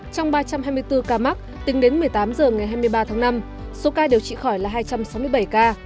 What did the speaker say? trong ba trăm hai mươi bốn ca mắc tính đến một mươi tám h ngày hai mươi ba tháng năm số ca điều trị khỏi là hai trăm sáu mươi bảy ca